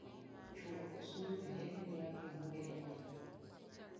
Chulo osuru bende miyo ngima bedo matek